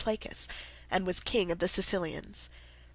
Placus, and was king of the Cilicians.